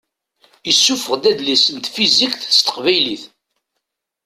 Isuffeɣ-d adlis n tfizikt s teqbaylit.